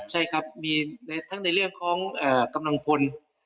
ใช่ครับมีทั้งในเรื่องของกำลังพล